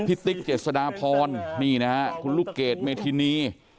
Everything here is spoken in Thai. พี่ติ๊กเจษฎาพรคุณลูกเกดเมธินี